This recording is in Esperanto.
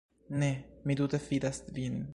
Ne, mi tute fidas vin.